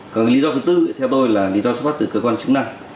còn lý do thứ tư theo tôi là lý do xuất phát từ cơ quan chứng năng